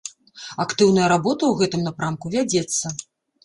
Актыўная работа ў гэтым напрамку вядзецца.